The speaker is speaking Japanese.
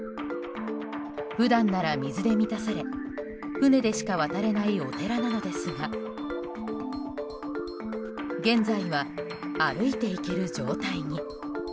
普段なら水で満たされ船でしか渡れないお寺なのですが現在は歩いて行ける状態に。